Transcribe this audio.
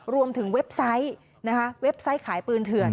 เว็บไซต์นะคะเว็บไซต์ขายปืนเถื่อน